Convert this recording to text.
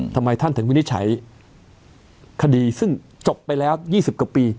ทำไมท่านถึงวินิจฉัยคดีซึ่งจบไปแล้ว๒๐กว่าปี